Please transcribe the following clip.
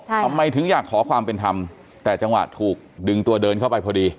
ทำไมถึงอยากขอความเป็นธรรมแต่จังหวะถูกดึงตัวเดินเข้าไปพอดี